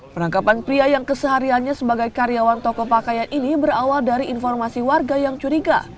penangkapan pria yang kesehariannya sebagai karyawan toko pakaian ini berawal dari informasi warga yang curiga